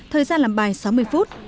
thời gian làm bài sáu mươi phút